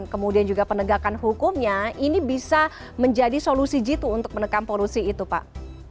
kemudian juga penegakan hukumnya ini bisa menjadi solusi jitu untuk menekan polusi itu pak